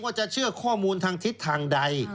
จะเชื่อข้อมูลทางทิศทางใด